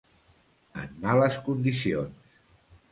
En males condicions.